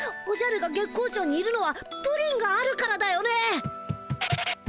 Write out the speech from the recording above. おじゃるが月光町にいるのはプリンがあるからだよね。